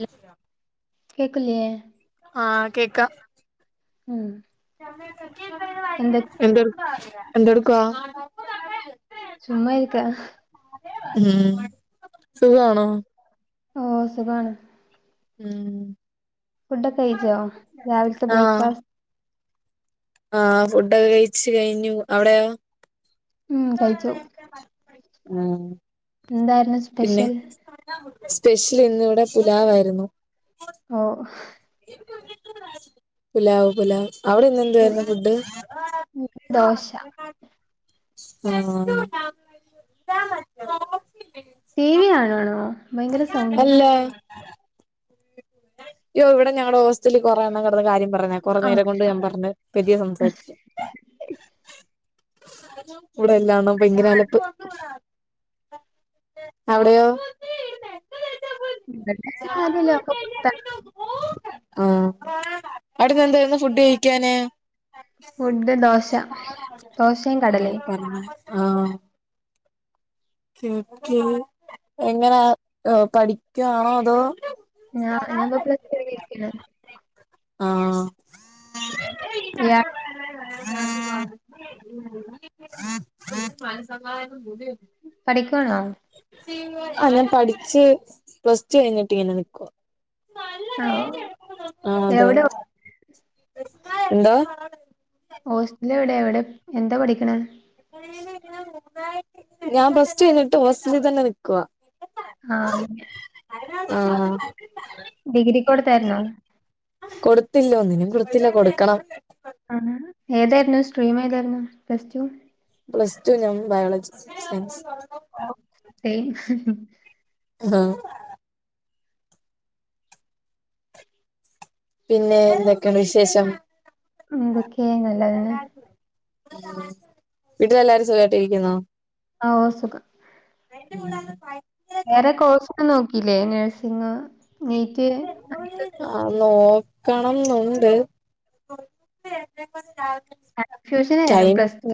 ല്ല കേക്ക്ല്ലെ ആഹ് കേക്കാം ഉം എന്തൊ എന്ത്ട് എന്തെടുക്കുവാ ചുമ്മാ ഇരിക്കാ ഉം സുഖാണോ ഓഹ് സുഖാണ് ഉം ഫുഡൊക്കെ കഴിച്ചോ രാവിലത്തെ ആഹ് ബ്രേക്ക്ഫാസ്റ്റ് ആഹ് ഫുഡൊക്കെ കഴിച്ചു കഴിഞ്ഞു അവടെയോ ഉം കയ്ച്ചു ആഹ് എന്താരുന്നു പിന്നെ സ്പെഷിലിന്ന് ഇവടെ പുലാവായിരുന്നു ഓഹ് പുലാവ് പുലാവ് അവിടെ ഇന്ന് എന്തുവാരുന്നു ഫുഡ്ഡ് ദോശ ആഹ് ടി വി കാണുവാണോ ഭയങ്കര സൗണ്ട് ഏഹ് യ്യോ ഇവടെ ഞങ്ങട ഹോസ്റ്റലിൽ കൊറേ എണ്ണം കെടന്ന് കാര്യം പറഞ്ഞ കൊറെം ആ നേരം കൊണ്ട് ഞാൻ പറഞ്ഞതാ പതിയേ സംസാരിക്ക് ഇവിടെ എല്ലാണ്ണോം ഭയങ്കര അലപ്പ് അവിടെയോ ഇതന്നെ ആരും ലോകപ്പ് [unintelligible] ആഹ് അവടന്ന് എന്തായിര്ന്നു ഫുഡ് കഴിക്കാന് ഫുഡ് ദോശ ദോശേം കടലേം പറഞൊ ആഹ് [unintelligible] എങ്ങനാ പഠിക്കാണോ അതോ ഞാ ഞാംപ്പൊ പ്ലസ് ടു കൈഞ്ഞിരിക്കാണ് ഇയാ ആഹ് [inaudible] പഠിക്കാണോ അല്ല ഞാൻ പഠിച്ച് പ്ലസ് ടു കഴിഞ്ഞിട്ടി ങ്ങനെ ന്ക്കുവാ ആ ആഹ് അതെ എവിടെ എന്തോ? ഹോസ്റ്റലെവടെ എവടെ എന്താ പഠിക്കണേ ഞാൻ പ്ലസ് ടു കൈഞ്ഞിട്ട് ഹോസ്റ്റലിൽ തന്നെ നിക്ക്വാ ആഹ് ആഹ് ഡിഗ്രി കൊട്ത്തായിര്ന്നോ കൊട്ത്തില്ല ഒന്നിനും കൊട്ത്തില്ല കൊട്ക്കണം. ആഹ് ഏതായിര്ന്നു സ്ട്രീം ഏതായിര്ന്നു പ്ലസ് ടു പ്ലസ് ടു ഞാൻ ബയോളജി സയൻസ് ഹേയ് ആഹ് പിന്നെ എന്തൊക്കെയൊണ്ട് വിശേശം എന്തൊക്കെയാങ്ങനെ വീട്ടിലെല്ലാരും സുഖട്ടിരിക്കുന്നോ? ഓ സുഖം ട്ട ഉള്ള വേറെ കോഴ്സും നോക്കില്ലേ നേഴ്സിങ് നീറ്റ് ആഹ് നോക്കണംന്നുണ്ട് കൺഫ്യൂഷനരും പ്ലസ് ടു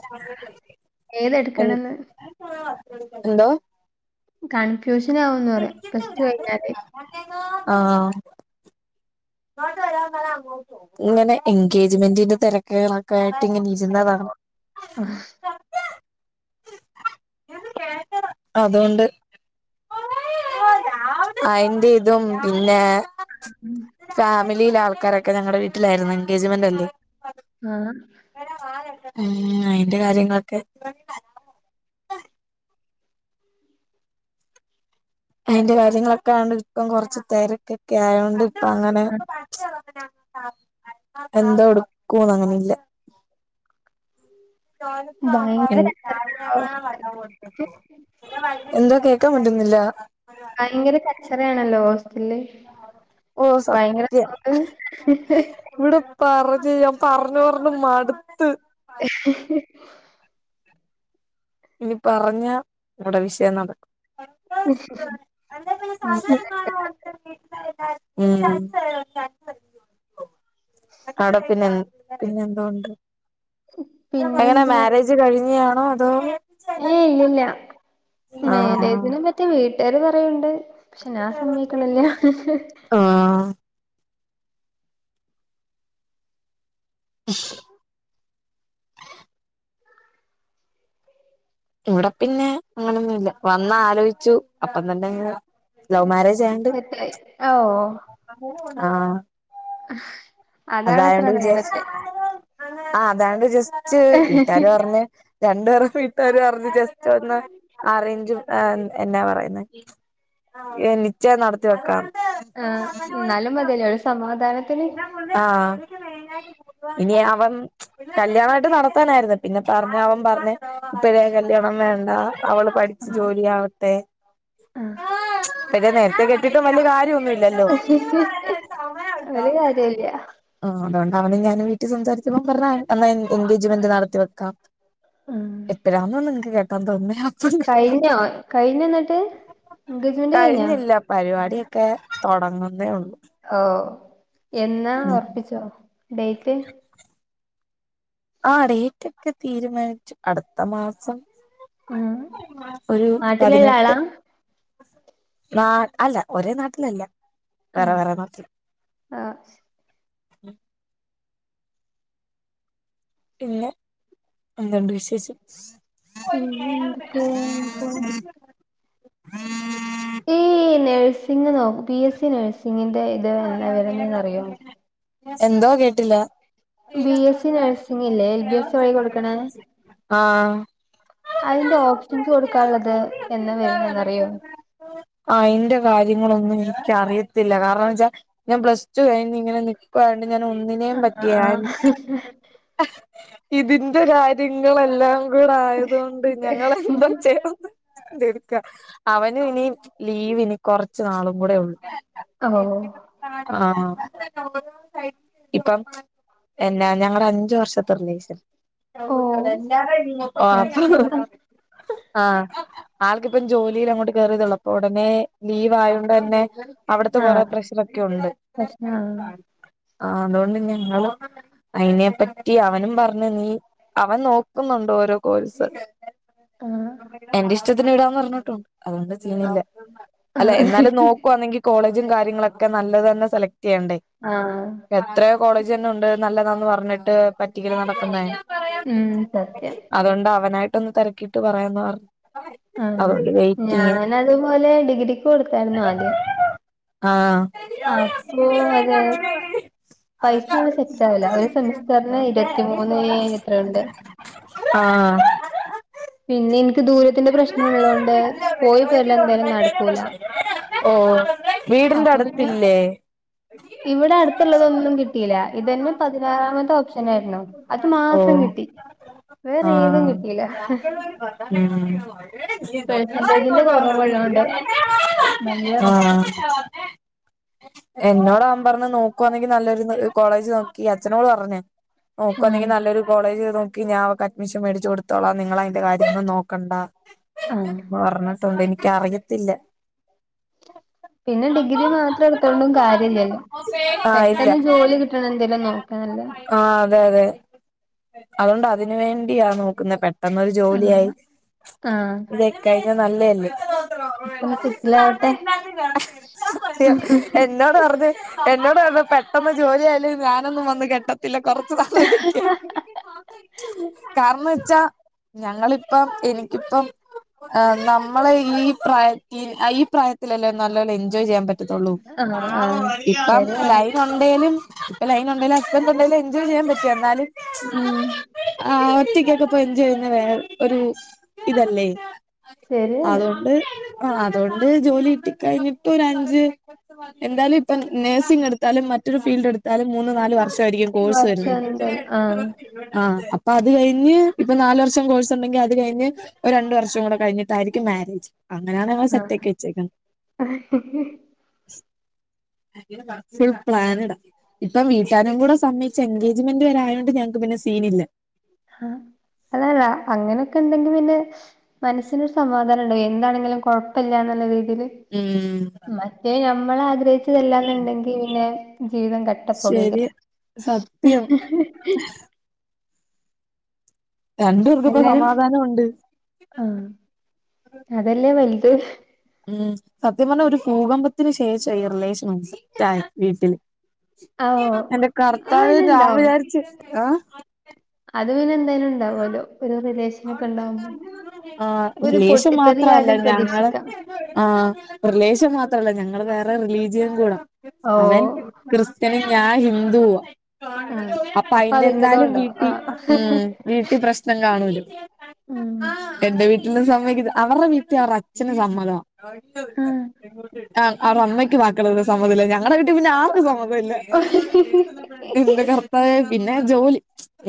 എൻ ഏതെടുക്കണംന്ന് എന്തോ കൺഫ്യൂഷൻ ആവൂന്ന് പറയാം പസ്റ്റ് ടു കഴിഞ്ഞാല് ആഹ് ഇങ്ങനെ എൻഗേജ്മെന്റിന്റെ തിരക്ക്കള കേട്ടിങ്ങനിരുന്നതാണ് ആഹ്. അതോണ്ട് അയിന്റെ ഇതും പിന്നെ ഫാമിലിലെ ആൾക്കാരൊക്കെ ഞങ്ങളടെ വീട്ടിലായിരുന്നു എൻഗേജ്മെന്റ്ല്ലേ ആഹ് ഉം അയിന്റെ കാര്യങ്ങളൊക്കെ അതിന്റെ കാര്യങ്ങളൊക്കെ ആയോണ്ട് ഇപ്പം കൊറച്ച് തെരക്കൊക്കെ ആയോണ്ട് ഇപ്പ അങ്ങനെ എന്തോ കൊടുക്കുന്നങ്ങനില്ല ഭയങ്കര ഇൻ കച്ചറയാണല്ലോ എന്താ കേക്കാൻ പറ്റുന്നില്ല ഭയങ്കര കച്ചറയാണല്ലോ ഹോസ്റ്റലില് ഓ ഭയങ്കര സത്യം [unintelligible] ഇവിടെ പറഞ്ഞ് ഞാൻ പറഞ്ഞ് പറഞ്ഞ് മടുത്ത് [inaudible] ഇനി പറഞ്ഞ ഇവിടെ വിഷയം നടക്കും എ അല്ല മിണ്ടാതെ സാധണ മ് അവിടെ പിന്നെ പിന്നെ എന്തുകൊണ്ട് എങ്ങനെ പിന്നെന്തുവാ മാരേജ് കഴിഞ്ഞ് ണോ അതോ ഏഹ് ഇല്ലല്ല ആഹ് മേരേജ് നെ പറ്റിവീട്ടുകാര് പറയ്ണ്ട് പക്ഷെ ഞാൻ സമ്മയ്ക്ക്ണ് ല്ലാ ആഹ് ഉ [unintelligible] തുട പിന്നെ അങ്ങനൊന്നുംല്ല വന്ന്‌ ആലോചിച്ചു അപ്പ തന്നെ അങ്ങ് ലവ് മാരേജ് ആയണ്ട് ത്തയ് ആ ഹോ ആഹ് ആ അതായോണ്ട് വിചാരി ആഹ് അതായോണ്ട് ജസ്റ്റ് വീട്ടാര് പറ്ഞ്ഞ് രണ്ടു പേര വീട്ടാ ര് അറ്ഞ്ഞ് ജസ്റ്റ് ഒന്ന് ആറേഞ്ചും എന്നാ പറയുന്ന ഏ നിശ്ചയം നടത്തിവക്കാ ആഹ് ന്നാലും മതിയല്ലേ ഒരു സമാധാനത്തിന് ആഹ് ഇനി അവൻ കല്യാണായിട്ട് നടത്താനായിരുന്നു പിന്നെ പറഞ്ഞ അവൻ പറഞ്ഞ് ഇപ്പഴേ കല്യാണം വേണ്ട അവള് പഠിച്ചു ജോലിയ ആവട്ടെ ആഹ് പിന്നെ നേരത്തേ കെട്ടിട്ടും വല്യ കാര്യ ന്നും ഒരു കാര്യല്ല ആഹ് അതൊ ണ്ടാണ് ഞാന് വീട്ടി. സംസാരിച്ച പ്പോ പറഞ്ഞ എന്നാ എൻഗേജ്മെന്റ് നടത്തി വെക്കാം ഉം എപ്പഴാന്നോ നിങ്ങക്ക് കേക്കാൻ തോന്നുന്നേ അപ്പം കേട്ടാം കഴിഞ്ഞോ കഴിഞ്ഞ ഇന്നട്ട് എൻഗേജ്മെന്റ് കഴിഞ്ഞോ കഴിഞ്ഞില്ല പരിപാടിയൊക്കെ തോടങ്ങുന്നേ ഒള്ളൂ ഓ എന്നാ ഒറ്പ്പിച്ചോ ഡേയ്റ്റ് ആഹ് ഡേറ്റ് ഒക്കെ തീരുമാനിച്ചു അടുത്ത മാസം ആ ഒരു നാട്ടിലുള്ള പതിനെട്ട് ആളാ നാ അല്ല ഒരേ നാട്ടിലല്ല വേറെ ആഹ് വേറെ നാട്ടില് ആഹ് ശ് പിന്നെ എന്തുണ്ട് വിശേഷം പിന്നെ എന്തൊക്കെ ഇപ്പോ? ഈ നഴ്സിംഗിനോ പി എസ് സി നഴ്സിങ്ങിന്റെ ഇത് എന്നാ വരുന്നേന്ന് അറിയോ എന്തോ കേട്ടില്ല ബി എസ് സി നഴ്സിംഗില്ലേ എൽ ബി എസ് വഴി കൊടുക്കണേ ആഹ് അതിന്റെ ഓപ്ഷൻസ് കൊടുക്കാനുള്ളത് എന്നാ വരുന്നേന്നറിയോ അയിന്റെ കാര്യങ്ങളൊന്നും ഇൻക്ക് അറിയത്തില്ല കാരണം എന്നച്ചാ ഞാൻ പ്ലസ് ടു കഴിഞ്ഞ് ഇങ്ങനെ നി ക്കായോണ്ട് ഞാൻ ഒന്നിനേ ആഹ് പറ്റിയ ഇതിന്റെ കാര്യങ്ങളെല്ലാം സ്പീഡായത് കൊണ്ട് ഞങ്ങള എന്തോ ചെയ്യാന്ന് തിടുക്കാ അവന് ഇനി ലീവ് ഇനി കൊറച്ച് നാളും കൂടെ ഒള്ളു ആഹ് ഹോ ആഹ് ഹാഇപ്പം എന്നാ ഞങ്ങടെ അഞ്ചു വർഷത്തെ റിലേഷൻ [inaudible] ഓ ഓ മാഷാ അല്ലാഹ് ആഹ് ആൾക്കിപ്പം ജോലിയിൽ അങ്ങോട്ട് കേറിയതെ ഒള്ളൂ അപ്പോ ഉടനെ ലീവ് ആയോണ്ടെന്നേ അവിടത്തെ കൊറെ ആഹ് പ്രഷറോക്കെ ഉണ്ട് പ്രശ്നാ ആഹ് അതുകൊണ്ട് ഞങ്ങളും അയിനെപ്പറ്റി അവനും പറഞ്ഞ് നീ അവൻ നോക്കുന്നുണ്ട് ഓരോ കോഴ്സ് ആഹ് എന്റെ ഇഷ്ടത്തിന് വിടാന്ന് പറഞ്ഞിട്ടുണ്ട് അതുകൊണ്ട് സീനില്ല അല്ല ആഹ് എന്നാലും നോക്കുവാന്നെങ്കി കോളേജും കാര്യങ്ങളൊക്കെ നല്ലത് തന്നെ സെലക്ട് എയേണ്ടേ ആഹ് എത്രയോ കോളേജ്ന്നെ ഉണ്ട് നല്ലതാന്ന് പറഞ്ഞിട്ട് പറ്റിക്കല് നടക്കുന്നേ ഉം സത്യം അതോണ്ട് അവനായിട്ടൊന്ന് തേരക്കിട്ട് പറയാന്ന് പറഞ്ഞു അതോണ്ട് വെയ്റ്റിംഗ് എന്നാ അതുപോലെ ഡിഗ്രിക്ക് കൊടുക്കായിരുന്നോ ആദ്യം ആഹ് ! അപ്പൊ അത് ! ! പൈസ ! അവിടെ സെറ്റ് ! ആവില്ല ഒരു ! സെമിസ്റ്ററിന് ! ഇരുപത്തിമൂന്ന് ! എത്രയുണ്ട് ! ! ആഹ് പിന്നെ എനിക്ക് ദൂരത്തിന്റെ [inaudible] പ്രശ്നം ഉള്ളോണ്ട് പോയി പോരല് എന്തായാലും നടക്കൂല ഓഹ് വീടിന്റെ അപ്പൊ പിന്നെ അടുത്തില്ലേ ഇവിടെ അടുത്തുള്ളതൊന്നും കിട്ടിയില്ല ഇതന്നെ പതിനാറാമത്തെ ഓപ്ഷനായിരുന്നു അത് ഓ മാത്രം കിട്ടി വേറെഏതും കിട്ടില ഉം കുറവുള്ളോണ്ട് ഭയങ്കര റിസ്കാ ആഹ് എന്നോട് അവൻ പറഞ്ഞു നോക്കുവാണെങ്കി നല്ലൊരു കോളേജ് നോക്കി അച്ഛനോട് പറഞ്ഞു ഉം നോക്കുവന്നെങ്കിൽ നല്ലൊരു കോളേജ് നോ ക്ക് ഞാൻ അവക്ക് അഡ്മിഷൻ മേടിച്ച് കൊടുത്തോളം നിങ്ങള് അതിന്റെ കാര്യങ്ങള്ളൊന്നും നോക്കണ്ട ആഹ് പറഞ്ഞട്ട്ണ്ട് എനിക്കറിയത്തില്ല പിന്നെ ഡിഗ്രി മാത്രം എടുത്തോണ്ടും കാര്യം ഇല്ലല്ലോ ആഹ് ഇല്ല പെട്ടെന്ന് ജോലി കിട്ടണ എന്തേങ്കിലും നോക്കാ നല്ലത് ആഹ് അതെ അതെ അതുകൊണ്ട് അതിന് വേണ്ടിയാ നോക്കുന്നേ പെട്ടെന്നൊരു ജോലിയായി ആഹ് ആഹ് [unintelligible] നല്ലയല്ലേ ഒക്കെ ഒന്ന് സെറ്റിലാവട്ടെ [unintelligible] എന്നോട് പറഞ്ഞത് എന്നോട് പറഞ്ഞു പെട്ടെന്ന് ജോലിയയാല് ഞാനൊന്നും വന്ന് കെട്ടത്തില്ല കുറച്ചു നാള് വൈറ്റ്ചെയ്യണം കാരണം വച്ചാ ഞങ്ങളിപ്പം എനിക്കിപ്പം ആഹ് നമ്മള ഈ പ്രായ ഈ പ്രായത്തിലല്ലേ നല്ലോം എൻജോയ് ചെയ്യാൻ പറ്റ ആഹ് ആഹ് [unintelligible] ശരിയാണ് ലൈന് ഉണ്ടേലും അസ്ബൻറ് ഉണ്ടേലും എൻജോയ് ചെയ്യാൻ പറ്റോ എന്നാലും ഉം ആഹ് ഒറ്റക്കൊക്കെ ഇപ്പൊ എൻജോയ് ചെയ്യുന്നത് വേറെ ഒരു ഇതല്ലേ ശരിയാണ് അതൊണ്ട് അതൊണ്ട് ജോലി കിട്ടി കഴിഞ്ഞിട്ട് ഒരു അഞ്ച് എന്താലും ഇപ്പം നഴ്സിംഗ് എടുത്താലും മറ്റൊരു ഫീൽഡ് എടുത്ത എന്താലും മൂന്ന് നാലു വർഷമായിരിക്കും കോഴ്സ് വരുന്നത് കൊറച്ചെന്ത് ആഹ് ആഹ് അപ്പൊ അത് കഴിഞ്ഞ് ഇപ്പൊ നാല് വർഷം കോഴ്സ് ഉണ്ടെങ്കിൽ അത് കഴിഞ്ഞ് ഒരു രണ്ടു വർഷം കൂടെ കഴിഞ്ഞിട്ടായിരിക്കും മാരേജ് അങ്ങനെയാണ് ഞങ്ങള് സെറ്റ് ആഹ് ആക്കി വെച്ചേക്കുന്നത് [inaudible] ഫുൾ പ്ലാനിഡ ഇപ്പം വീട്ടാരും കൂടെസമ്മതിച്ച് എൻഗേജ്മെന്റ് വരെ ആയതൊണ്ട് ഞങ്ങൾക്ക് പിന്നെ സീൻ ഇല്ല ആഹ് അതല്ല അങ്ങനെയൊക്കെ ഉണ്ടെങ്കിൽ പിന്നെ മനസ്സിനരു സമാധാന [unintelligible] എന്താണെങ്കിലും കുഴപ്പല്ല എന്നുള്ള രീതിയിൽ ഉം മറ്റേ നമ്മൾ ആഗ്രഹിച്ചതല്ലാന്നുണ്ടെങ്കി പിന്നെ ജീവിതം കട്ടപ്പോകേ ശരി ക്കാരാം സത്യം രണ്ടു പേർക്കും ഇപ്പം എല്ലാരും സമാധാനംഉണ്ട് ആഹ് അതല്ലേ വലുത് ഉം സത്യം പറഞ്ഞാൽ ഒരു ഭൂകമ്പത്തിന് ശേഷം ഈ റിലേഷൻസെറ്റ് ആയത് വീട്ടില് ആഹ് എന്റെ അത് കർത്താവേ ഞാൻ പിന്നെണ്ടാവും വിചാരിച്ച് ആഹ് അത് പിന്നെ എന്തായാലും ഉണ്ടാവല്ലോ ഒരു റിലേഷൻ [unintelligible] ആഹ് ഒരു റിലേഷൻ പൊട്ടിതെറി മാത്രല്ല ആദിയം ഞങ്ങള് പ്രതീക്ഷിക്കാം ആഹ് റിലേഷൻ മാത്രല്ല ഞങ്ങള് വേറെ റിലീജിയൻ കൂടെ ഓ അവൻ ക്രിസ്ത്യനുംള ഞാൻ ഹിന്ദുവാ ആഹ് അപ്പം അപ്പൊ അയിന്റെ എന്തായാലും അതിന്റെതുണ്ടാവും വീട്ടിൽ ആഹ് ഉം വീട്ടിൽ പ്രശ്നം കാണൂലോ ഉം എന്റെ വീട്ടിലും സമ്മതിക്ക അവരുടെ വീട്ടിൽ അവരുടെ അച്ഛന് സമ്മതാ ആഹ് ആഹ് അവർടെ അമ്മയ്ക്ക് മാത്രം സമ്മതം ഇല്ല ഞങ്ങടെ വീട്ടിൽ പിന്നെ ആർക്കും സമ്മതം ഇല്ല ആഹ് എന്റെ കർത്താവേ പിന്നെ ജോലി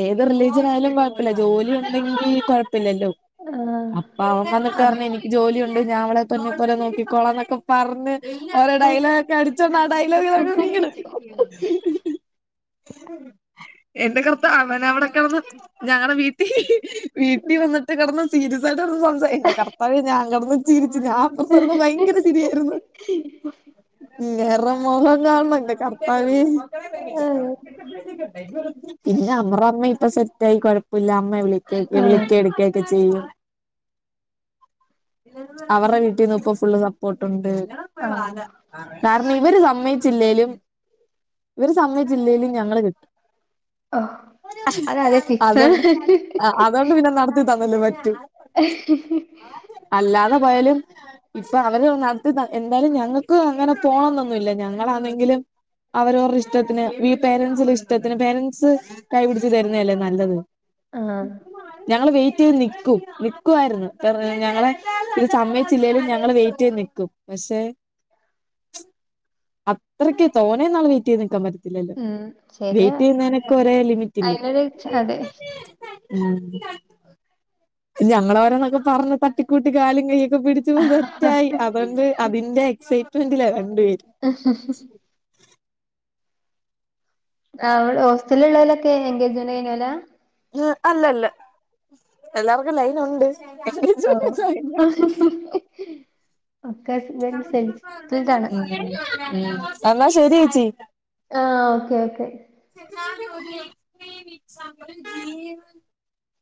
ഏത് റിലീജിയൻ ആയാലും കുഴപ്പമില്ല ജോലി കൊഴപ്പം ഇല്ലല്ലോ അപ്പൊ അവൻ വന്നിട്ട് പറഞ്ഞു എനിക്ക് ജോലിയുണ്ട് ഞാൻ അവളെ പൊന്ന് പോലെ നോക്കിക്കോളാം എന്നൊക്കെ പറഞ്ഞ് ഓരോ ഡയലോഗ് ഒക്കെ അടിച്ചോണ്ട് ആ ഡൈലോഗിലങ്ങ് വീണ് എന്റെ കർത്ത അവൻ അവിടെ കിടന്നു ഞങ്ങളടെ വീട്ടിൽ വീട്ടിൽ വന്നിട്ട് കിടന്ന് സീരിസായിട്ട് സംസാരി എന്റെ കർത്താവേ ഞാൻ കിടന്ന് ചിരിച്ച് ഞാൻ അപ്പുറത്ത് കിടന്നു ഭയങ്കര ചിരി ആയിരുന്നു [unintelligible] [unintelligible] പിന്നെ അവറമ്മ ഇപ്പൊ സെറ്റ് ആയി കൊഴപ്പില്ല അമ്മ വിളി ആഹ് വിളക്കെയും ആഹ് എടുക്കുവൊക്കെ ചെയ്യും അവർടെ വീട്ടീന്ന് ഇപ്പൊ ഫുള്ള് സപ്പോർട്ടുണ്ട് ആഹ് കാരണം ഇവര് സമ്മതിച്ചില്ലേലും ഇവര് സമ്മതിച്ചില്ലേലും ഞങ്ങള് കെട്ടും ഓ അത് ആണെ ഫിക്സാ അതുകൊണ്ട് ആഹ് അതുകൊണ്ട് പിന്നെ നടത്തി തന്നല്ലേ പറ്റു [unintelligible] അല്ലാതെ പോയാലും ഇപ്പൊ അവര് നടത്തിത എന്തായാലും ഞങ്ങൾക്ക് അങ്ങനെ പോണംന്നൊന്നുല്യ ഞങ്ങളാണെങ്കിലും അവരവരുടെ ഇഷ്ടത്തിന് ഈ പേരൻസിന്റെ ഇഷ്ടത്തിന് പേരൻസ് കൈപിടിച്ച് തരുന്നതല്ലെ നല്ലത്. ആഹ് ഞങ്ങള് വെയിറ്റ് ചെയ്ത് നിക്കും നിക്കുവായിരുന്നു. ഞങ്ങളെ ഇ സമയ്ച്ചില്ലേലും ഞങ്ങള് വെയിറ്റെയ്ത് നിക്കും. പക്ഷേ അത്രക്ക് തോനേവരെ വെയ്റ്റ് ചെയ്ത് നിക്കാൻ പറ്റ ഇല്ലല്ല ഉം ശരിയാ വെയ്റ്റ് ചെയ്യുന്നേനൊക്കെ ഒര് ലിമിറ്റ് ഇല്ലേ. [unintelligible] ഉം ഞങ്ങളോരന്നൊക്കെ പറഞ്ഞ് തട്ടിക്കൂട്ടി കാലും കയ്യൊക്കെ പിടിച്ചു സെറ്റായി അതോണ്ട്. അതിന്റെ എക്സൈറ്റ്മെന്റിലാ രണ്ട് പേരും. ആഹ് ആഹ് അവടെ ഹോസ്റ്റലിൽ ഉള്ളോലൊക്കെ എൻഗേജ്മെന്റ് കഴിഞ്ഞോലാ? ഉം അല്ലല്ല എല്ലാർക്കും ലൈൻ ഉണ്ട് ഓഹ് ഒക്കെ ഹസ്ബൻഡ് സെറ്റിൽഡാണ് ഉം എന്നാ ശെരി ചേച്ചി. ആഹ് ഓക്കെ ഓക്കെ [unintelligible]